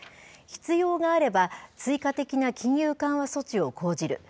必要があれば、追加的な金融緩和措置を講じる。